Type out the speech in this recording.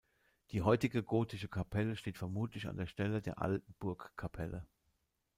Die heutige gotische Kapelle steht vermutlich an der Stelle der alten Burgkapelle.